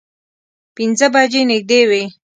پینځه بجې نږدې وې.